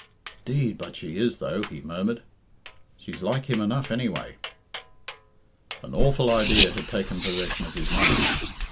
"'Deed, but she is, though," he murmured. "She's like him enough, anyway." An awful idea had taken possession of his mind.